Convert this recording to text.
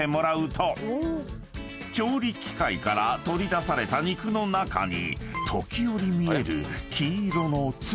［調理機械から取り出された肉の中に時折見える黄色の粒］